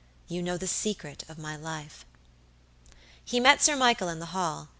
You know the secret of my life." He met Sir Michael in the hall.